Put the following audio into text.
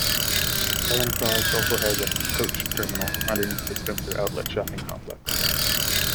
Southern Cross also has a coach terminal underneath the Spencer Outlet shopping complex.